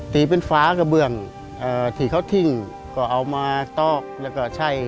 ตีเป็นฝากระเบื้องที่เขาทิ้งก็เอามาตอกแล้วก็ใช่